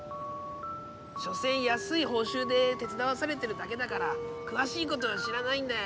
しょせんやすいほうしゅうで手つだわされてるだけだからくわしいことは知らないんだよ。